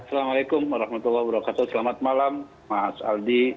assalamualaikum wr wb selamat malam mas aldi